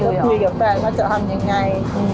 ก็คุยกับแฟนว่าจะทำยังไง